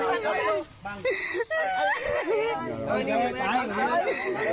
ตายแต่ว่ามันตายแล้ว